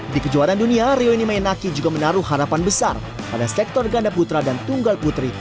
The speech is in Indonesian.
di kejuaraan dunia rioni mainaki juga menaruh harapan besar pada sektor ganda putra dan tunggal putri